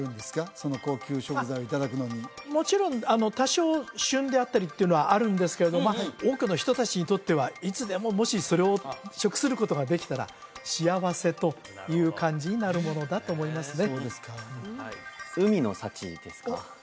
その高級食材をいただくのにもちろん多少旬であったりっていうのはあるんですけれどまあ多くの人達にとってはいつでももしそれを食することができたら幸せという感じになるものだと思いますね